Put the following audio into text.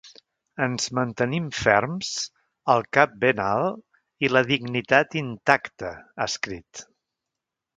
Ens mantenim ferms, el cap ben alt i la dignitat intacta, ha escrit.